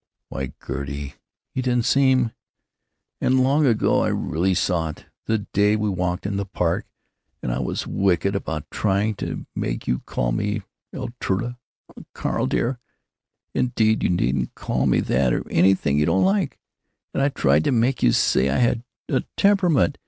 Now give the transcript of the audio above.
"Why, Gertie, you didn't seem——" "——and long ago I really saw it, the day we walked in the Park and I was wicked about trying to make you call me 'Eltruda'—oh, Carl dear, indeed you needn't call me that or anything you don't like—and I tried to make you say I had a temperament.